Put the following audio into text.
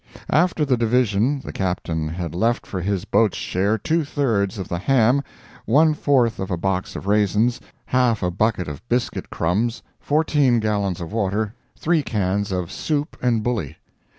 After the division the Captain had left for his boat's share two thirds of the ham, one fourth of a box of raisins, half a bucket of biscuit crumbs, fourteen gallons of water, three cans of "soup and bully."